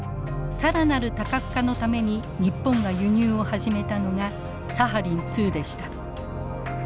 更なる多角化のために日本が輸入を始めたのがサハリン２でした。